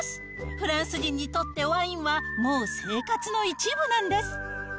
フランス人にとってワインは、もう生活の一部なんです。